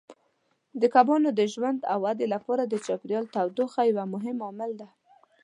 د کبانو د ژوند او ودې لپاره د چاپیریال تودوخه یو مهم عامل دی.